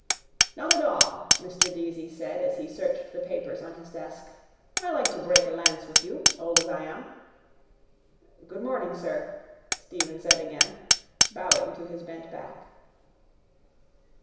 —Not at all, Mr Deasy said as he searched the papers on his desk. I like to break a lance with you, old as I am. —Good morning, sir, Stephen said again, bowing to his bent back.